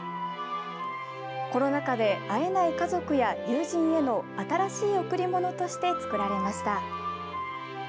コロナ禍で会えない家族や友人への新しい贈り物として作られました。